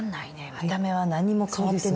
見た目は何も変わってないですよ。